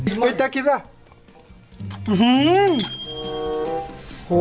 อื้อหื้าาาา